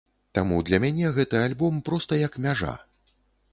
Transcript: Таму для мяне гэты альбом проста як мяжа.